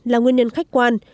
là nguyên nhân khách quan